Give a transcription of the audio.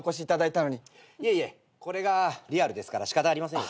いえいえこれがリアルですから仕方ありませんよ。